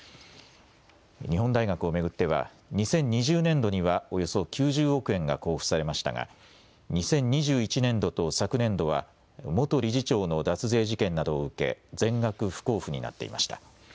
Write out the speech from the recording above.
日本大学を巡っては２０２０年度にはおよそ９０億円が交付されましたが２０２１年度と昨年度は元理事長の脱税事件などを受け全額不交付になっていました。